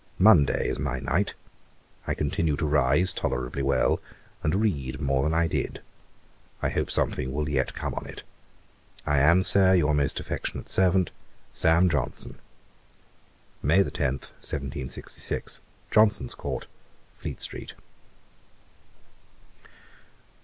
Monday is my night. I continue to rise tolerably well, and read more than I did. I hope something will yet come on it. I am, Sir, 'Your most affectionate servant, 'SAM JOHNSON' 'May 10, 1766, Johnson's court, Fleet street.'